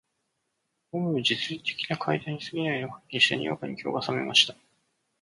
頗る実利的な階段に過ぎないのを発見して、にわかに興が覚めました